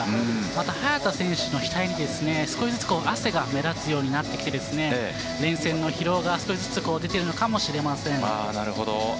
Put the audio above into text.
また、早田選手の額に少しずつ汗が目立つようになって連戦の疲労が少しずつ出ているのかもしれません。